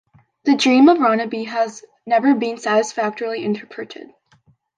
The "Dream of Rhonabwy" has never been satisfactorily interpreted.